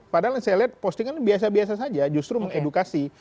padahal saya lihat postingan biasa biasa saja justru mengedukasi